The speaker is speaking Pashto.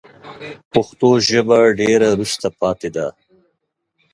پښتو ژبه ډېره وروسته پاته ده